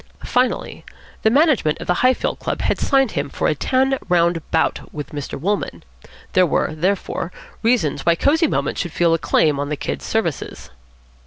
Finally, the management of the Highfield Club had signed him for a ten round bout with Mr. Wolmann. There were, therefore, reasons why Cosy Moments should feel a claim on the Kid's services.